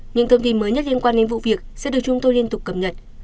những thông tin mới nhất liên quan đến vụ việc sẽ được chúng tôi liên tục cập nhật